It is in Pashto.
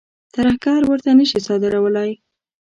ترهګر ورته نه شي صادرولای.